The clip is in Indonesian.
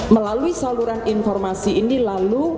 melalui saluran informasi ini lalu